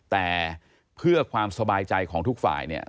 แต่เพื่อความสบายใจของทุกฝ่ายเนี่ย